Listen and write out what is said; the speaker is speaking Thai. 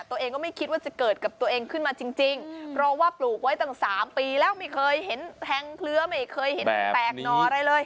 ตัวเองก็ไม่คิดว่าจะเกิดกับตัวเองขึ้นมาจริงเพราะว่าปลูกไว้ตั้ง๓ปีแล้วไม่เคยเห็นแทงเคลือไม่เคยเห็นแตกหน่ออะไรเลย